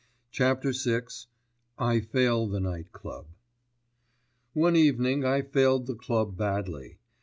*CHAPTER VI* *I FAIL THE NIGHT CLUB* One evening I failed the Club badly.